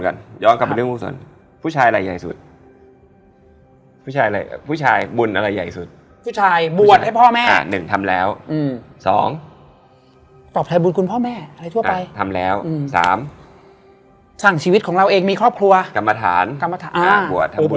ถ่ายเสร็จป๊บทุกคนก็ลงกันมาแล้ว